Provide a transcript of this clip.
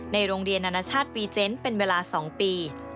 ในโรงเรียนนานชาติวีเจนเป็นเวลาสองปี